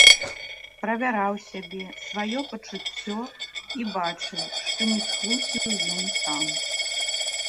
Правяраў сябе, сваё пачуццё і бачыў, што не схлусіў ён там.